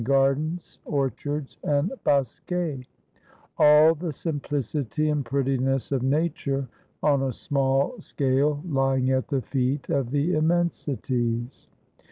gardens, orchards and bosquets ; all the simplicity and prettiness of Nature on a small scale lying at the feet of the immensities.